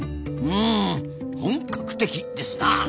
うん本格的ですなあ。